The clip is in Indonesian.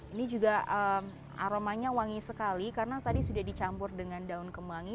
ini juga aromanya wangi sekali karena tadi sudah dicampur dengan daun kemangi